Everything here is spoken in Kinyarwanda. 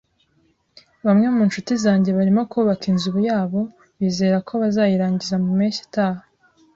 Bamwe mu nshuti zanjye barimo kubaka inzu yabo. Bizera ko bazayirangiza mu mpeshyi itaha.